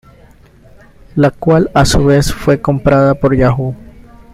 La cual, a su vez fue comprada por Yahoo!.